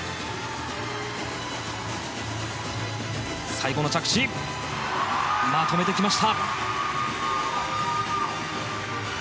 最後の着地まとめてきました。